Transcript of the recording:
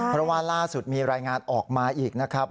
เพราะว่าล่าสุดมีรายงานออกมาอีกนะครับ